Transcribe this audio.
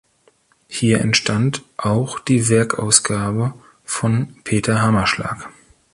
Hier entstand auch die Werkausgabe von Peter Hammerschlag.